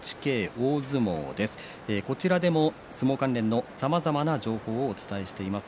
こちらでも相撲関連のさまざまな情報をお伝えしています。